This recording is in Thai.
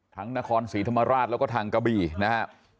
นครศรีธรรมราชแล้วก็ทางกะบี่นะครับ